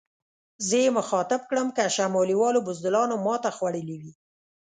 زه یې مخاطب کړم: که شمالي والو بزدلانو ماته خوړلې وي.